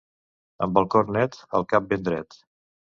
Amb el cor net, el cap ben dret.